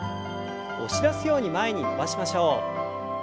押し出すように前に伸ばしましょう。